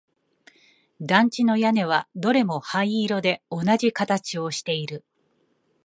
団地の屋根はどれも灰色で同じ形をしている